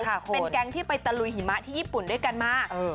เป็นแก๊งที่ไปตะลุยหิมะที่ญี่ปุ่นด้วยกันมาเออ